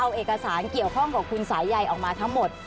เอาเอกสารเกี่ยวข้องกับคุณสายใยออกมาทั้งหมด